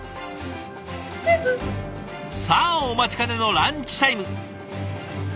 さあお待ちかねのランチタイム。